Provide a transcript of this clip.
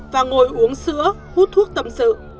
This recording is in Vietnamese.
và ngồi uống sữa hút thuốc tâm sự